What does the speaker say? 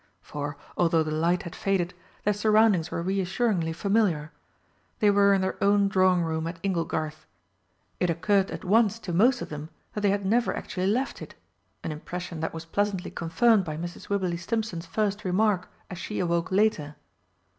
For, although the light had faded, their surroundings were reassuringly familiar. They were in their own drawing room at "Inglegarth." It occurred at once to most of them that they had never actually left it an impression that was pleasantly confirmed by Mrs. Wibberley Stimpson's first remark as she awoke later.